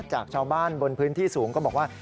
จากชาวบ้านบนพื้นที่สูงก็บอกว่า